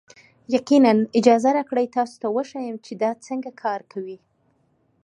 یقینا، اجازه راکړئ تاسو ته وښیم چې دا څنګه کار کوي.